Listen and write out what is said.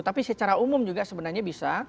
tapi secara umum juga sebenarnya bisa